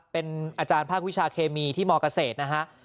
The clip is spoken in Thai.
เป็นอาจารย์ภาควิชาเคมีที่มเกษตรนะฮะ